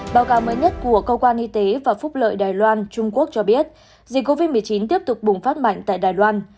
báo cáo mới nhất của cơ quan y tế và phúc lợi đài loan trung quốc cho biết dịch covid một mươi chín tiếp tục bùng phát mạnh tại đài loan